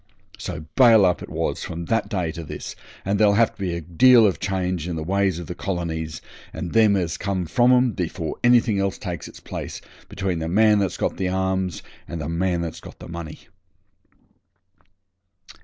So 'bail up' it was from that day to this, and there'll have to be a deal of change in the ways of the colonies and them as come from 'em before anything else takes its place, between the man that's got the arms and the man that's got the money.